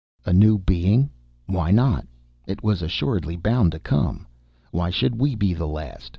A new being! Why not? It was assuredly bound to come! Why should we be the last?